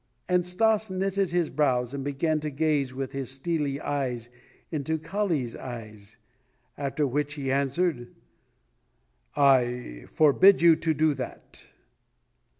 And Stas knitted his brows and began to gaze with his steely eyes into Kali's eyes; after which he answered: "I forbid you to do that."